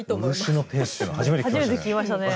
漆のペースって初めて聞きましたね。